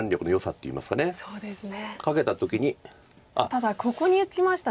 ただここにきましたね。